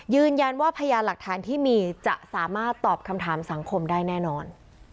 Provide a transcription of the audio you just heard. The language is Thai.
พยานหลักฐานที่มีจะสามารถตอบคำถามสังคมได้แน่นอน